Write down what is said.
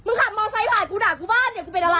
มึงขัดมอไซดกูด่ากูบ้านเนี่ยกูเป็นไร